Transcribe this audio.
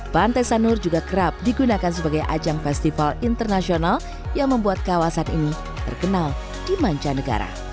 pantai sanur juga kerap digunakan sebagai ajang festival internasional yang membuat kawasan ini terkenal di manca negara